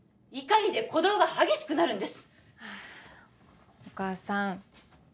怒りで鼓動が激しくなるんですお母さん